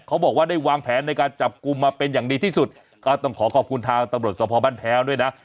เขาบอกว่าได้วางแผนในการจับกลุ่มมาเป็นอย่างดีที่สุดก็ต้องขอขอบคุณทางตำรวจสภบ้านแพ้วด้วยนะ